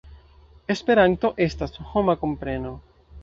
Esperanto estas homa kompreno.